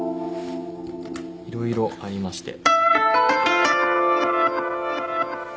いろいろありまして。